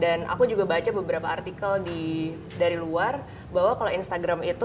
dan aku juga baca beberapa artikel dari luar bahwa kalau instagram itu memang salah satu fan fans yang banyak di instagram itu